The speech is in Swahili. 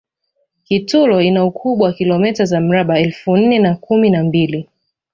kitulo ina ukubwa wa kilomita za mraba elfu nne na kumi na mbili